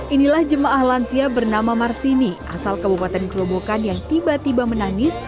inilah jemaah lansia bernama marsini asal kabupaten gerobokan yang tiba tiba menangis